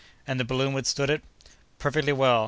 "And the balloon withstood it?" "Perfectly well.